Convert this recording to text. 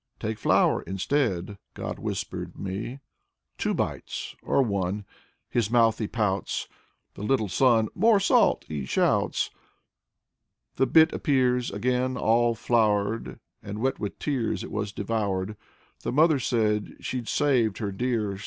"Take flour, instead," God whispered me. Two bites, or one ^ His mouth he pouts. The little son. "More salt!" he shouts. The bit appears Again all floured. And wet with tears It was devoured. The mother said She'd saved her dear.